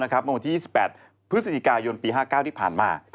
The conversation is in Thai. บังคติที่๒๘พฤศจิกายนปี๕๙ที่ผ่านมา